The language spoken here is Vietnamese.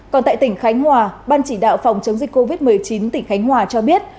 còn tại tỉnh khánh hòa ban chỉ đạo phòng chống dịch covid một mươi chín tỉnh khánh hòa cho biết